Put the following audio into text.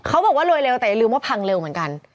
เขาบอกว่ารวยเร็วแต่อย่าลืมว่าพังเร็วเหมือนกัน